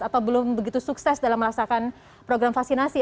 atau belum begitu sukses dalam merasakan program vaksinasi